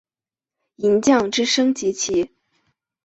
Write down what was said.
银将之升级棋。